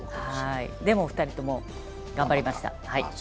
でも２人とも頑張りました。